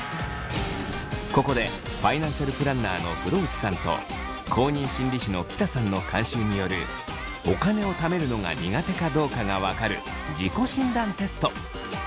ここでファイナンシャルプランナーの風呂内さんと公認心理師の喜田さんの監修によるお金をためるのが苦手かどうかが分かる自己診断テスト。